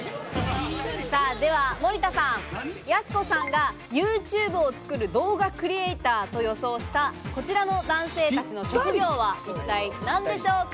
では森田さん、やす子さんがＹｏｕＴｕｂｅを作る動画クリエイターと予想した、こちらの男性たちの職業は一体何でしょうか？